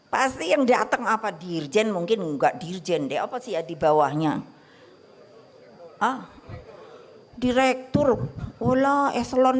pasti yang datang apa dirjen mungkin enggak dirjen deh apa sih ya dibawahnya ah direktur walao eslon